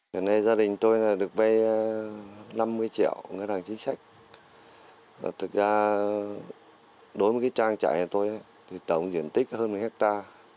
giờ này gia đình tôi được vây năm mươi triệu ngân hàng chính sách thực ra đối với trang trại tôi tổng diện tích hơn một hectare